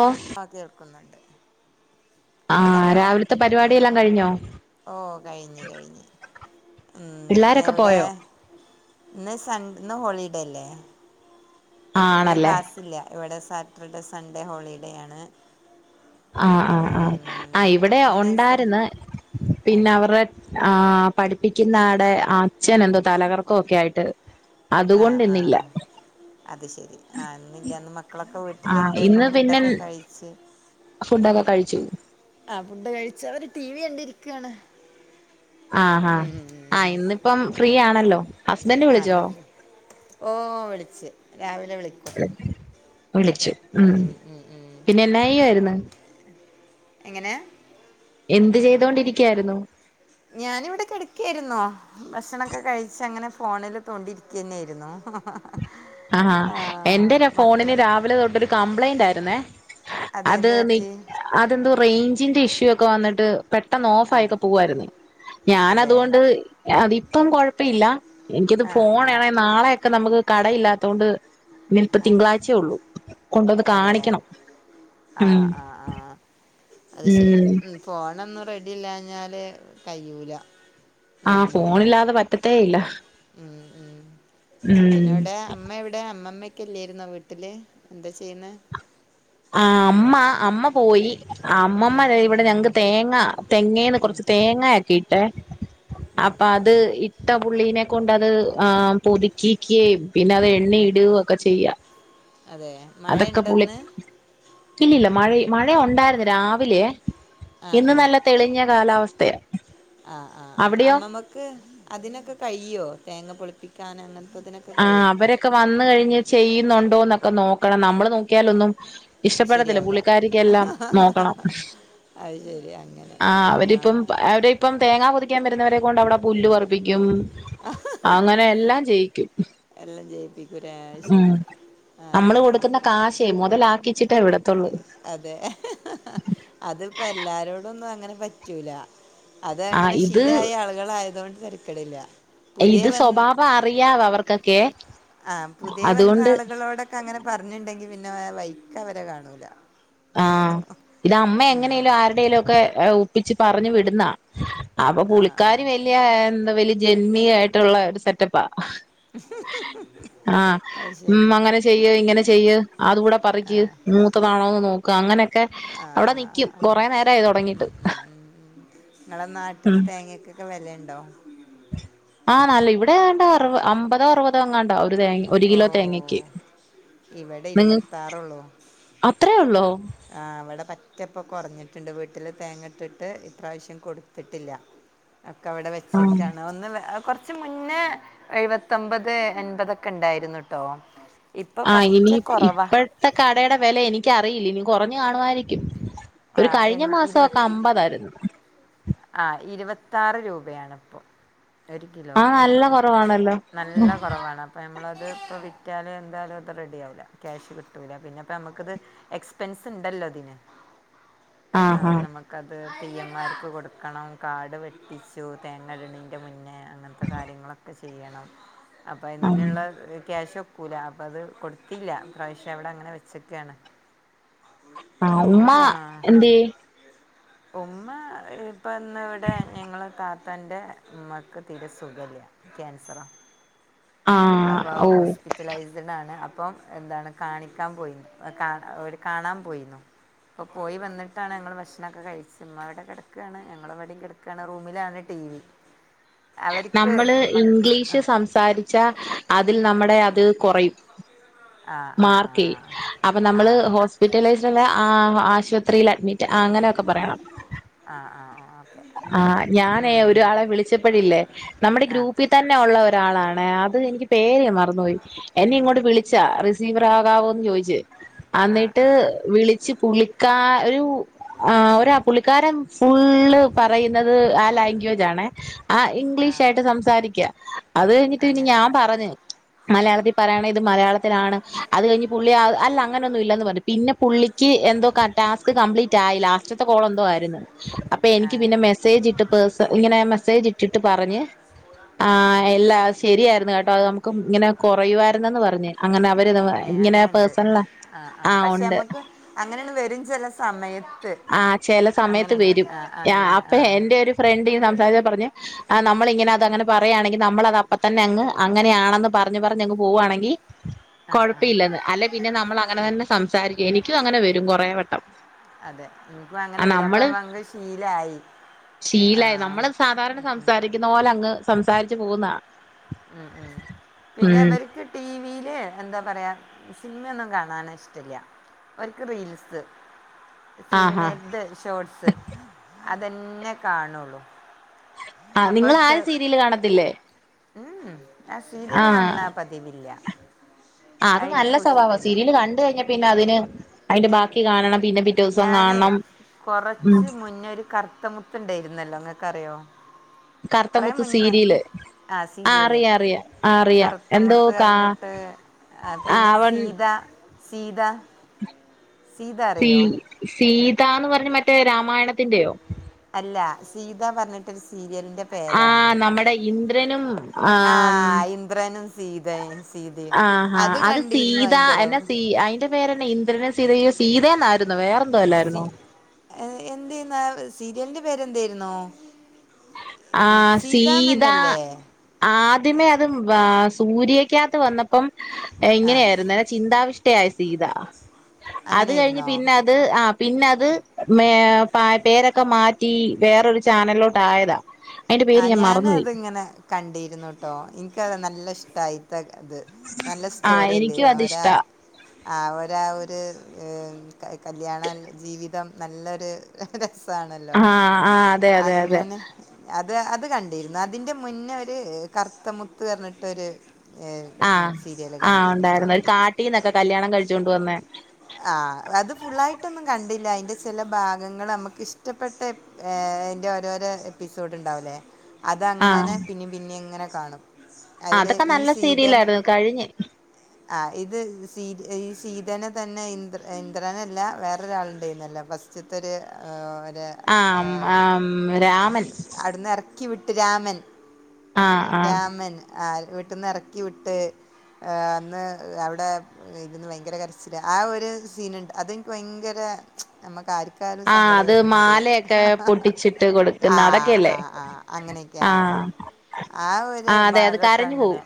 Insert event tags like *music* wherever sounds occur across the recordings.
Of ആ കേൾക്കുന്നുണ്ട് ആ ഹലോ രാവിലത്തെ പരിപാടിയെല്ലാം കഴിഞ്ഞോ ഓ കഴിഞ്ഞു കഴിഞ്ഞു ഉം പിള്ളോരൊക്കെ എവിടെ പോയോ ഇന്ന് സൺ ഇന്ന് ഹോളിഡേ അല്ലേ ആ ഇന്ന് ആണല്ലേ ക്ലാസ്സില്ല ഇവിടെ സാറ്റർഡേ സൺഡേ ഹോളിഡേ ആണ് ആഹ് ആഹ് ആഹ് ആ ഉം ഇവിടെ ഇന്ന് നഴ്സറി ഒണ്ടായിര്ന്ന് ആ പിന്ന അവറെ ആ പഠിപ്പിക്കുന്ന ആടെ അച്ഛൻ എന്തോ തലകർക്കോ ഒക്കെ ആയിട്ട് ആഹ് അതുകൊണ്ട് ആഹ് ഇന്നില്ല ആഹ് അത് ശെരി ആ മെനഞാന്നുമ്മ മക്കളൊക്കെ ആഹ് വീട്ടിലുണ്ട് ഇപ്പ ഇന്ന് പിന്നെ ഫുഡൊക്കെ കഴിച്ച് ഫുഡൊക്കെ കഴിച്ചു ആ ഫുഡ് കഴിച്ചവർ ടി വി കണ്ടിരിക്കാണ് ആഹ് ഹ ആ ഉം ഇന്നിപ്പം ഫ്രീ ആണല്ലോ ഹസ്ബൻഡ് ആ വിളിച്ചോ എന്നാ പിന്നെ. ഓ വിളിച്ചു രാവിലെ വിളിക്കും വിളിച്ചു ഉം പിന്നെ എന്നായ്യാര്ന്നു എങ്ങന എന്ത് ചെയ്തൊണ്ടിരിക്കാരുന്നു ഞാനിവിടെ കെടക്കായിര്ന്നു ഭക്ഷണൊക്കെ കഴിച്ചങ്ങന ഫോണില് തോണ്ടി ഇരിക്കന്നായിരുന്നു ആഹാ എന്റെ ഫോണിന് രാവിലെ തൊട്ടൊരു കംപ്ലൈന്റ് ആയിരുന്നേ അതെ അത് എന്ത് നീ പറ്റി അതെന്തോ റേഞ്ചിന്റെ ഇഷ്യൂ ഒക്കെ വന്നിട്ട് പെട്ടെന്ന് ഓഫായിക്ക പോവായിരുന്നു അതെ ഞാാനതുകൊണ്ട് അതിപ്പം കൊഴ് പ്പില്ല എനിക്കത് ആഹ് ആഹ് ഫോണാണേൽ നാളെയക്കെ നമുക്ക് കടയില്ലാത്തൊണ്ട് ഇനിപ്പ തിങ്കളാഴ്ചയേ ഒള്ളൂ കൊണ്ടുവന്ന് അതെ കാണിക്കണം ഉം ആഹ് ആഹ് ആഹ് അത് ശെരി ഉം ഫോണൊന്നും റെഡി ഇല്ലാഞ്ഞാല് കഴിയൂല ആഹ് ഫോണില്ലാതെ പറ്റത്തേ ഇല്ല ഉം ഉം ഉം പിന്നെ ഇവിടെ അമ്മ ഇവിടെ അമ്മമ്മ ഒക്കെഇല്ലായിരുന്നോ വീട്ടില് എന്താ ചെയ്യുന്ന ആ അമ്മ അമ്മ പോയി അമ്മമ്മ ഉം ദേ ഇവിടെ ഞങ്ങക്ക് തേങ്ങ തെങ്ങേന്ന് കുറച്ച് തേങ്ങാക്കിട്ട് ഉം അപ്പ അത് ട്ട പുള്ളീനെ കൊണ്ടത് അത് പൊതിക്കിക്കയും പിന്നെ അത് ഉം എണ്ണിയിടുക ഒക്ക ചെയ്യാം അതെ അതൊക്കെ മഴയുണ്ടോ പുളി ഇന്ന് ഇല്ലില്ല മഴ മഴയൊണ്ടായിരുന്ന് രാവിലെ ആഹ് ഇന്ന് നല്ല തെളിഞ്ഞ കാലാവസ്ഥയ ആഹ് ആഹ് ആ് അമ്മമ്മക്ക് ആ ആ ആ ആ ആ അമ്മ്മക് അതിനൊക്കെ കഴിയോ തേങ്ങ പൊളിപ്പിക്കാൻ അങ്ങനത്തെതിനൊക്കെ ആഹ് അവരൊക്കെ വന്ന് കഴിഞ്ഞ് ചെയ്യുന്നുണ്ടോ എന്നൊക്കെ നോക്കണം നമ്മള് നോക്കിയാലൊന്നും ഇഷ്ടപ്പെടത്തില്ല ശരിയാവില്ല പുള്ളിക്കാരിക്കെല്ലാം നോക്കണം അത് ശരി അങ്ങനെ ആഹ് ആഹ് ഇപ്പം തേങ്ങ പൊതിക്കാൻ വരുന്നവരെ കൊണ്ട് അവിടെ പുല്ല് പറുപ്പിക്കും അങ്ങനെ എല്ലാം ചെയ്യിക്കും എല്ലാം ജയിപ്പിക്കൂലേ അത് ശരി ആഹ് ആ ആ അമ്മള് കൊടുക്കുന്ന കാശേ മൊതലാക്കിച്ചിട്ടെ വിടത്തൊള്ളൂ അതെ അത്പ്പെ എല്ലാരോടൊന്നും അങ്ങനെ പറ്റൂല അത് ആ അങ്ങനെ ഇത് ശീലായ ആളുകളായതോണ്ട് തെരക്കടില്ല ഇത് സ്വഭാവം അറിയാവോ അവർക്കൊക്കെ ആഹ് പുതിയേ വന്ന അതുകൊണ്ട് ആളുകളോടൊക്കെ അങ്ങനെ പറഞ്ഞുണ്ടെങ്കി പിന്നെ ആ വൈക്കവരെ കാണൂല ആഹ് ഇതമ്മ എങ്ങനേലും ആരുടേലൊക്കെ ഒപ്പിച്ച് പറഞ്ഞു വിടുന്നാ അപ്പൊ ആ ആ പുളിക്കാരി വല്യേ എന്ത വലിയ ജന്മിയായിട്ടുള്ള ഒരു സെറ്റപ്പാ *unintelligible* ആഹ് അത് ഉം ശരി അങ്ങനെ ചെയ്യ് ഇങ്ങനെ ചെയ്യ് അതു കൂടെ പറിക്ക് ത്തതാണോന്ന് നോക്ക അങ്ങനെ ക്കെ ആഹ് അവിടെ ആഹ് ആഹ് നിക്കും ആഹ് കൊറേ നേരായി ഉം തുടങ്ങിട്ട് ഉം ഉം ഉം ക്കെ വെലയുണ്ടോ ആഹ് നല്ല ഇവിടെണ്ടാ അറുവ അമ്പതോ അറുപതോങ്ങാണ്ടാ ഒര് തേങ്ങ ഓ ഇവിടെ നിങ്ങ ഇരുവത്താറൊള്ളൂ അത്രേ ഒള്ളോ ആഹ് വിടെ പറ്റപ്പ കുറഞ്ഞിട്ടുണ്ട് വീട്ടില് തേങ്ങട്ടിട്ട് ഇപ്രാവ്ശ്യം കൊടുത്തിട്ടില്ല *inaudible* ഒക്കെവിടെ ആഹ് വെച്ചക്കാണ് ഒന്ന് വെ കൊർച്ച് മുന്നേ എഴുവത്തൊമ്പത് എൻപതൊക്കെണ്ടായിരുന്നുട്ടോ ഇപ്പൊ പറ്റെ കൊറവാ ത്ത കടയുടെ വില എനിക്കറിയില്ല ഇനി കൊറഞ്ഞ് കാണുവായിരിക്കും ഒരു ആഹ് എൻ കഴിഞ്ഞ ഇരുപ മാസൊക്കെ അമ്പതായിരുന്നു ആഹ് ഇരുവത്താറ് രൂപയാണ്പ്പൊ ഒരു ആഹ് കിലോക്ക് നല്ല കുറവാണല്ലോ നല്ല കൊറവാണ് അ പ്പോ ഞമ്മളത് പ്പോ വിറ്റാല് എന്തായാലും അത് റെഡിയാവൂല്ല ക്യാഷ് കിട്ടൂല്ല പിന്നെപ്പ ഞമ്മക്കിത് എക്സ്പെൻസ്ണ്ടല്ലോതിന് *inaudible* ആഹ് നമക്കത് തീയ്യന്മാർക്ക് കൊട് ക്കണം കാട് വെട്ടിച്ചു തേങ്ങട്ണിൻ്റെ മുന്നേ അങ്ങൻത്തെ കാര്യങ്ങളൊക്കെ ചെ യ്യണം അപ്പം ആഹ് അതിനുള്ള ക്യാഷൊ ക്കൂലാ അപ്പ അത് കൊടുത്തില്ല ഇപ്രാവശ്യം അവിടെങ്ങനെ വെച്ചക്കാണ് ആഹ് ഇമ്മ ആ എന്ത്യേ ഉമ്മ ഇപ്പ ന്ന് വ്ടെ ഞങ്ങള് താ ത്തൻ്റെ മ്മക്ക് തീരെ സുഖല്യ ക്യാൻസറാ ആഹ് അപ്പോ ഓ ഓസ്പി റ്റലൈസ്ഡ് ആണ് അപ്പം എന്താണ് കാണിക്കാൻ പോയി ഓര് കാണാൻ പോയിന്നു പ്പൊ പോയി വന്നിട്ടാണ് ഞങ്ങൾ ഭഷ് ഷണൊക്കെ കഴിച്ചു മ്മവടെ കെട്ക്കാണ് ഞങ്ങള് വടിം കെട്ക്കാണ് റൂമിലാണ് ടി വി അവർക്ക് നമ്മള് മക്ക ഇംഗ്ലീഷ് സംസ് സംസാരിച്ചാ അതിൽ നമ്മുടെ അത് കൊറയും ആ ആ മാർക്കേയ് അപ്പൊ ആ ആ ആ നമ്മള് ഓക്കെ ഹോസ്പിറ്റലൈസ്ട്ല്ല ആശുപത്രിയിൽ അഡ്മിറ്റ് അങ്ങനെയൊക്കെ പറയണം ആ ആ ഓക്കെ ആഹ് ആ ഞാനേ ഒരാളെ വിളിച്ച പ്പൊയില്ലേ നമ്മുടെ ആ ഗ്രൂപ്പിൽ തന്നെ ഉള്ള ഒരാളാണ് അത് എനിക്ക് പേര് മറന്നു പോയി എന്നെ ഇങ്ങോട്ട് വിളിച്ച റി സീവറാകാവോന്ന് ചോയ്ച്ച് ആ അന്നിട്ട് ആ വിളിച്ച് പുളിക്കാ ഒരു ആഹ് ഒരാ പുള്ളിക്കാരൻ ഫുള്ള് പറയും ഞ്ഞത് ആ ലാംഗ്വേജ് ആണേ. ആഹ് ആ ഇംഗ്ലീഷ് ആയിട്ട് സംസാരിക്ക അത് കഴിഞ്ഞിട്ട് പിന്നി അങ്ങനെ ഞാൻ പറഞ്ഞ് മലയാളത്തി പറയണം. ഇത് മലയാളത്തിലാണ്. അത് കഴിഞ്ഞ് പുള്ളി അല്ല അങ്ങനൊന്നും ഇല്ലന്ന് പറഞ്ഞു. പിന്ന പുള്ളി ക്ക് എന്തോ ടാസ്ക് കപ്ലീറ്റ് ആയില്ല ലാസ്റ്റ്ത്ത കോൾ എന്തോ ആയിരുന്ന്. അപ്പ ആ എനിക്ക് പിന്നെ മെസ് സ്സേജ്ട്ട് പേഴ്സ ഇങ്ങനെ മെസ്സേജ് ഇട്ടിട്ട് പറഞ്ഞ് ആ ആ ആഹ് എല്ലാ ശരിയായിരുന്നു കേട്ടോ. അത് നമുക്ക് ങ്ങനെ കുറയുവാരുന്നെന്ന് പറഞ്ഞ്. അങ്ങനെ അവര്ത ഏ ഇങ്ങനെ അങ്ങനെ പേഴസണല ആഹ് ഒണ്ട് അങ്ങനെങ്ങണ് വരും ചെല സമയത് ആഹ് ചെല സമയത്ത് വരും. ആഹ് അങ്ങനെ ആ അപ്പേ എന്റെ ഒരു ഫ്രണ്ട് ഇങ്ങനെ സംസാരിച്ചപ്പോ പറഞ്ഞ് ആഹ് നമ്മളിങ്ങനെ അത് അങ്ങനെ പറയാണെങ്കിൽ നമ്മളത് അപ്പ തന്നെ അങ്ങ് അങ്ങനെയാണെന്ന് പറഞ്ഞ് പറഞ്ഞങ്ങ് പോവാണെങ്കി ആ കൊഴപ്പയില്ലെന്ന്. അല്ലേ പിന്നെ നമ്മൾ അങ്ങനതന്നെ സംസാരിക്കും. എനിക്കും അങ്ങനെ വരും കൊറെ വട്ടം അതെ എനിക്കും ആ അങ്ങനെ വരാൻ നമ്മള് ഇപ്പങ്ങ് ശീലായി. ശീലായി ആഹ് നമ്മള് സാധാരണ സംസാരിക്കുന്ന പോലെ അങ്ങ് സംസാരിച്ച് പോകുന്നതാണ്. ആഹ് ആഹ് പിന്നെവര്ക്ക് ടിവിയില് എന്താ പറയാ സിനിമയൊന്നും കാണാന് ഇഷ്ടല്യ ഓര്ക്ക് റീൽസ് ആഹാ പിന്നേ ദ് ഷോർട്സ് അതെന്നെ കാണോള്ളൂ ആഹ് നിങ്ങൾ ആരും സീരിയല് കാണത്തില്ലേ? ങ്ഹും ആഹ് സീരിയല് കാണുന്ന പതിവില്ല ആഹ് അത് നല്ല എനിക്കും സ്വഭാവാ. ഇഷ്ടമില്ല സീരിയല് കണ്ട് കഴിഞ്ഞ പിന്നെ അതിന് അതിന്റെ ബാക്കി കാണണം. പിന്നെ പി ഞാനേ കൊറച്ച് മുന്ന ഒരു കറത്ത മുത്തുണ്ടായിരുന്നല്ലോ? ഇങ്ങക്കറിയോ കറത്ത മുത്ത് സീരില് ആഹ് സീരിയല് കറത്ത എന്തോ മുത്ത് കാ പറഞ്ഞിട്ട്. ആഹ് ആ പിന്നെ അവൻ സീത സീത സീത സീ അറിയോ സീതാന്ന് പറഞ്ഞ് മറ്റേ രാമായണത്തിന്റെയോ? അല്ല സീത പറഞ്ഞിട്ടൊരു സീരിയൽ ആഹ് നമ്മടെ ഇന്ദ്രനും ആ ആം ഇന്ദ്രനും സീതയും സീതയും ആഹ് ഹാ അത് കണ്ടിരുന്നു സീത അതിൻ്റെ എന്ന അളവ് സീ അയിന്റെ പേരെന്നേ. ഇന്ദ്രനും സീതയും. സീതെന്നായിരുന്നോ? വേറെ സി എന്ത് ചെയുന്ന സീരിയലിന്റെ പേര്ന്തായിരുന്നു? ആഹ് സീത ആദ്യമേ അത് വാ സൂര്യക്കാകത്ത് വന്നപ്പം ആ എങ്ങനെയായിരുന്ന് ചിന്താവിഷ്ടയായ സീത. അത് കഴിഞ്ഞ് അങ്ങനെയായിരുന്നോ പിന്നെ ത് ആഹ് പിന്നത് മേ പാ പേരൊക്കെ മാറ്റി വേറൊരു ചാനലിലോട്ട് ആയതാ. അയിന്റെ പേര് ആഹ് ഞാൻ മറന്നുപോയി ഞാനത്ങ്ങനെ കണ്ടിരുന്നുട്ടോ. എനിക്കത് നല്ല ഇഷ്ടായി അയിത്ത ഇത്. നല്ല ആ സ്റ്റോറി എനിക്കും അല്ലാരുന്നു ഓരാ അതിഷ്ടാ അവരാ ഒര് കല്യാണം ജീവിതം നല്ലൊരു രസാണല്ലോ ആ ആ അതെ അതെ അതെ അങ്ങനെ അത് അത് കണ്ടീരുന്നു. അതിന്റെ മുന്നേരു കറത്ത മുത്ത് പറഞ്ഞിട്ടൊര് ഏഹ് സീരിയല് കണ്ടീന് ട്ടോ ട്ടീന്നൊക്കെ കല്യാണം കഴിച്ചോണ്ട് വന്നേ ആഹ് അത് ഫുള്ളായിട്ടൊന്നും കണ്ടില്ല. അയിൻ്റെ ചില ഭാഗങ്ങൾ നമുക്കിഷ്ടപ്പെട്ട ഏഹ് എതിൻ്റെ ഓരോരോ എപ്പിസോഡ് ഉണ്ടാവൂല്ലേ? ആഹ് അതങ്ങനെ പിന്നിം പിന്നിം ങ്ങനെ കാണും. അതിൽ അതൊക്കെ നല്ല സീരിലായിരുന്നു കഴിഞ്ഞ് ആഹ് ഇത് സ് ഈ സീത് സീതേനെ തന്നെ ഇന്ദ്ര ഇന്ദ്രനല്ല വേറൊരാളുണ്ടയിരുന്നല്ലേ ഫസ് റ്റത്തൊരു ഒര ആഹ് ആഹ് രാമൻ ക്യൂട്ട് രാമൻ ആഹ് ആഹ് രാമൻ ആഹ് വീട്ടിന്ന് എറക്കി വിട്ട് അന്ന് അവടെ ഇരുന്ന് ഭയങ്കര കരച്ചില ആഹ് ഒരു സീനുണ്ട് അതെനിക്ക് ഭയങ്കര ഞമ്മക്ക് ആര്ക്ക് ലും ആഹ് സങ്കടം അത് വരുന്നവര്. മാലയൊക്കെ പൊട്ടിച്ചിട്ട് കൊടുക്കുന്ന ആഹ് അതൊക്കെയല്ലേ ആഹ് ആഹ് അങ്ങനെയൊക്കെ ആഹ് ആഹ് ആഹ് ഒരു അതെ അത് ഭാഗൊക്കെ കരഞ്ഞു അങ്ങനെ പോവും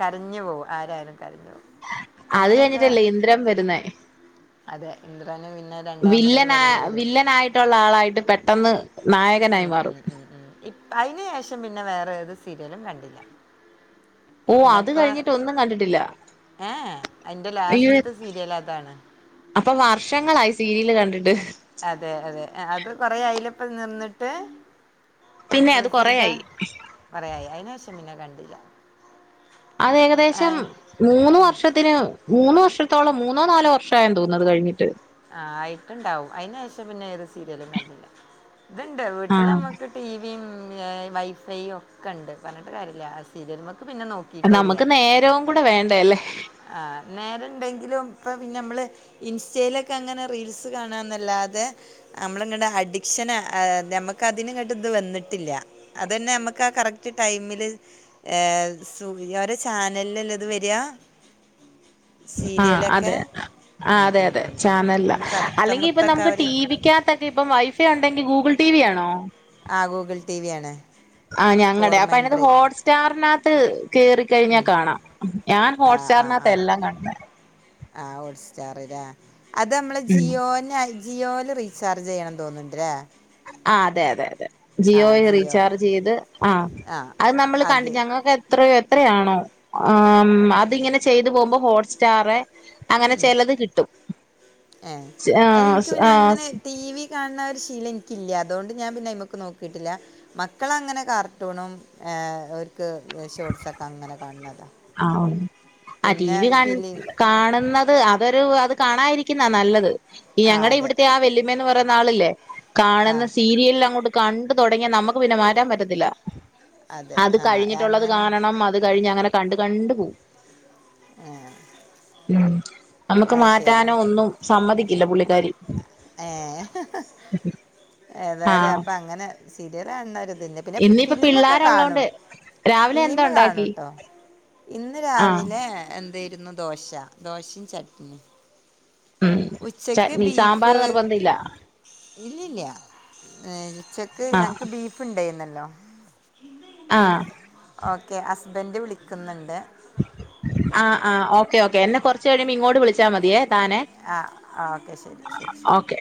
കരഞ്ഞു പോവും ആരായാലും കരഞ്ഞു പോവും അത് അങ്ങനെയൊക്കെ കഴിഞ്ഞിട്ടല്ലേ ഇന്ദ്രൻ വരുന്നേ അതെ ഇന്ദ്രന് പിന്നെ രണ്ടാമതൊരു വരവ് വെരും ഒള്ള ആളായിട്ട് പെട്ടെന്ന് നായകനായി ഉം, ഉം, മാറും ഉം ഉം *unintelligible* അയിന് ശേഷം പിന്നെ വേറെ ഏതു സീരിയലും കണ്ടില്ല ഓ അത് പിനെപ്പെ കഴിഞ്ഞിട്ട് ഒന്നും കണ്ടിട്ടില്ല ഏഹ് എ അത് ഇന്റെ ലാസ്റ്റത്തെ സീരിയെലതാണ്. അപ്പം വർഷങ്ങളായി സീരിയല് കണ്ടിട്ട്. അതെ അതെ അത് കൊറെ ആയിലപ്പം നിന്ന്ട്ട് പിന്നെ അത് റെസീത കൊറെയായി കൊറേ ആയി. അയ്നേശം പിന്നെ കണ്ടില്ലാ അത് ഏകദേശം മൂന്ന് വർഷത്തിന് മൂന്ന് വർഷത്തോളം മൂന്നോ നാലോ വർഷായന്ന് തോന്നത് കഴിഞ്ഞിട്ട്. ആഹ് ആയിട്ട്ണ്ടാവും. അയ്നേഷം പിന്നേത് സീരിയലും കണ്ടില്ല. ഇത്ണ്ട് ആഹ് വീട്ടിലമ്മക്ക് ടിവിം വൈഫൈയും ഒക്കെണ്ട്. പറഞ്ഞിട്ട് കാര്യല്ല. ആ സീരിയൽമ്മക്ക് പിന്നെ നോ നമക്ക് നേരവും കൂടെ വേണ്ടെല്ലേ ആഹ് നേരം ഇണ്ടെങ്കിലും ഇപ്പ പിന്നെമ്മള് ഇൻസ്റ്റയിലക്കങ്ങനെ റീൽസ് കാണാന്നല്ലാതെ നമ്മള്ങ്ങനെ അഡിക്ഷനതെ അമ്മക്ക് അതിനുങ്ങട്ട്ത് വന്നിട്ടില്യ. അതന്നെ അമ്മക്ക് ആ കറക്റ്റ് ടൈമില് എഹ്സുവ് ഓരെ ചാനല്ലെല്ലെ ഇത് വെര. ആഹ് സീരിയലെക്കെ അതെ ആഹ് അതെ അതെ ചാനല കറുത്ത അല്ലെങ്കി ഇപ്പൊ മുത്തൊക്കെ നമുക്ക് അവർ ടിവിക്കകത്ത ഇപ്പം വൈഫൈ ഒണ്ടെങ്കി ഗൂഗിൾ ടിവി ആണോ? ആഹ് ഗൂഗിൾ ടിവി ആണ്. ആഹ് ഞങ്ങടെ അപ്പൊ അയ്നകത്ത് ഫോർമെൻട്രി ഹോട്ട്സ്റ്റാർനകത്ത് കേറിക്കഴിഞ്ഞാ കാണാം. ഞാൻ ഹോട്ട് സ്റ്റാറിനകത്ത എല്ലാം കാണുന്നെ. ആഹ് ഹോട്ട്സ്റ്റാർലേ അത് മ്മള് ഉം ജിയോന ജിയോല് റീചാർജ് ചെയ്യണംതോന്ന്ണ്ട് ലേ? ആഹ് അതെ അതെ അതെ ജിയോല് ജിയോ റീചാർജെയ്ത് ആഹ് ആ അത് നമ്മൾ കണ്ടു അത് ഞങ്ങൾക്ക് എത്രയോ എത്രയാണോ ഉം അതിങ്ങനെ ചെയ്തു പോകുമ്പോ ഹോട്ട്സ്റ്റാറെ അങ്ങനെ ചെലത് കിട്ടും ഏ ച്ച് അത് ആഹ് എനിക്ക് സ് പിന്നെ അങ്ങനെ ആസ് ടി വി കാണ് ണഒരു ശീലം ഇൻക്കില്ല്യ. അതോണ്ട് ഞാൻ പിന്നെ അയ്മക്ക് നോക്കിട്ടില്ല. മക്കളങ്ങനെ കാർട്ടൂണും ഏഹ് ഓർക്ക് ഷോട്ട്സൊക്കങ്ങനെ കാണ് ണ് അതാ ആഹ് ഉം അ ടിവി കാണ ഫിലിം കാണുന്നത് അതൊരു അത് കാണായിരിക്കുന്ന നല്ലത്. ഈ ആ ഞങ്ങടെ അതെ ഇവിടുത്തെയാ വെല്ല് ല്ലമ്മെ പറയുന്ന ആളില്ലേ ആ കാണുന്ന സീരിയലങ്ങോട്ട് കണ്ടു തൊടങ്ങിയാ നമക്ക് പിന്നെ മാറ്റാൻ പറ്റത്തില്ല. അതെ അത് ആ കഴിഞ്ഞിട്ടുള്ളത് അങ്ങനെ കാണണം. അത് കഴിഞ്ഞ് അങ്ങനെ കണ്ട് കണ്ടു പോവും ഏഹ് ഉം നമ്മക്ക് മാറ്റാനോ ഒന്നും സമ്മതിക്കില്ല പുള്ളിക്കാരി ഏഹ് ഏതായാലും ആഹ് അപ്പൊ അങ്ങനെ സീരിയലാണൊരു ഇത്‌ല്യ പിന്നെ ഇന്നിപ്പോ ഫിലിമൊക്കെ പിള്ളേരുള്ളോണ്ട് കാണും രാവിലെ എന്താ ഫിലിമ് ഉണ്ടാക്കി കാണൂട്ടോ ഇന്ന് ആഹ് രാവിലെ എന്തേരുന്നു ദോശ ദോശിം ചട്നി. ഉം ഉച്ചക്ക് ചട്നി ബീഫ് സാമ്പാർ നിർബന്ധം ഇല്ല ഇല്യല്ല്യ ഉച്ചക്ക് ആഹ് ഞങ്ങ്ക്ക് ബി ഫ്ണ്ടൈന്നല്ലോ ആഹ് ഓക്കെ ഹസ്ബെന്റ് വിളിക്ക്ന്ന്ണ്ട്. ആഹ് ആഹ് ഓക്കേ ഓക്കേ എന്നെ കൊറ്ച്ച് കഴിയുമ്പോ ഇങ്ങോട്ട് വിളിച്ചാ മതിയെ. താനെ ആ ആ ഓക്കെ ശരി ശരി ശരി ഓക്കെ